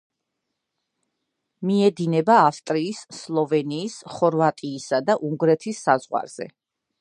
მიედინება ავსტრიის, სლოვენიის, ხორვატიისა და უნგრეთის საზღვარზე.